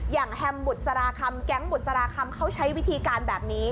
แฮมบุษราคำแก๊งบุษราคำเขาใช้วิธีการแบบนี้